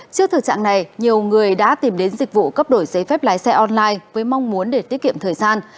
trước thực trạng này nhiều người đã tìm đến dịch vụ cấp đổi giấy phép lái xe online với mong muốn để tiết kiệm thời gian